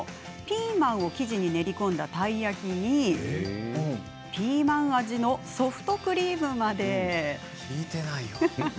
ピーマンを生地に練り込んだたい焼きにピーマン味のソフトクリームまで。